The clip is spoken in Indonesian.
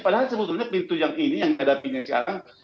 padahal sebetulnya pintu yang ini yang hadapinya sekarang